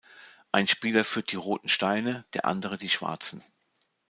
Ein Spieler führt die roten Steine, der andere die schwarzen.